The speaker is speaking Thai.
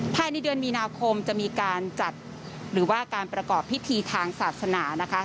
ภายในเดือนมีนาคมจะมีการจัดหรือว่าการประกอบพิธีทางศาสนานะคะ